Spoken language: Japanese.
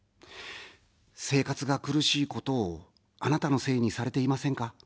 生活が苦しいことを、あなたのせいにされていませんか。